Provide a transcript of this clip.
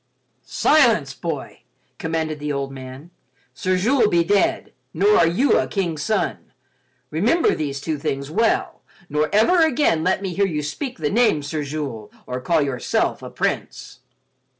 "Silence, boy!" commanded the old man. "Sir Jules be dead, nor are you a king's son. Remember these two things well, nor ever again let me hear you speak the name Sir Jules, or call yourself a prince."